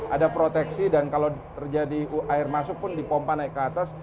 ada proteksi dan kalau terjadi air masuk pun dipompa naik ke atas